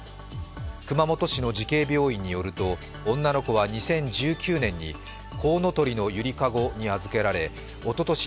熊本市の慈恵病院によると女の子は２０１９年にこうのとりのゆりかごに預けられおととし